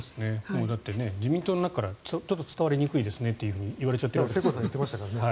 だって、自民党の中からちょっと伝わりにくいですねと言われちゃってるわけですからね。